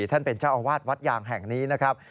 ท่านเป็นเจ้าอาวาสวัดยางแห่งนี้นะครับ